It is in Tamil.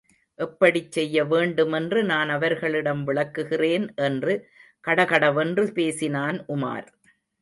எப்படிச் செய்யவேண்டுமென்று நான் அவர்களிடம் விளக்குகிறேன் என்று கடகடவென்று பேசினான் உமார்.